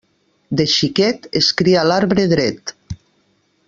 De xiquet es cria l'arbre dret.